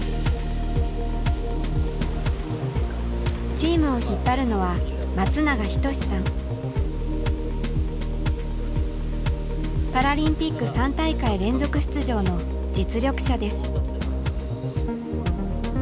チームを引っ張るのはパラリンピック３大会連続出場の実力者です。